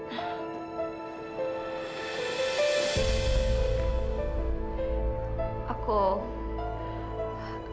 saya juga juga ini